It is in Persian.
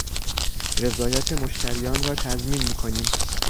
رضایت مشتریان را تضمین میکنیم.